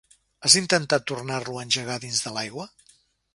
Has intentat tornar-lo a engegar dins de l'aigua?